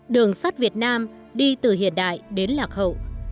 đường sắt việt nam đi từ hiện đại đến lạc hậu